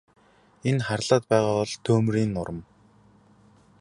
Энэ харлаад байгаа бол түймрийн нурам.